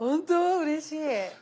うれしい！